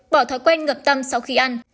bỏ thói quen ngậm tâm sau khi ăn